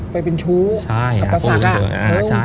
ไปเป็นชู้กับตลาดศักดิ์อ่ะ